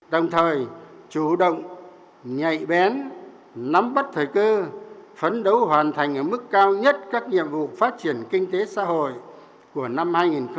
đồng thời chủ động nhạy bén nắm bắt thời cơ phấn đấu hoàn thành ở mức cao nhất các nhiệm vụ phát triển kinh tế xã hội của năm hai nghìn hai mươi